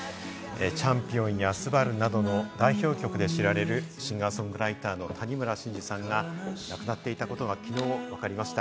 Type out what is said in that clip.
『チャンピオン』や『昴』などの代表曲で知られるシンガー・ソングライターの谷村新司さんが亡くなっていたことがきのう分かりました。